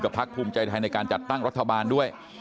พักภูมิใจไทยในการจัดตั้งรัฐบาลด้วย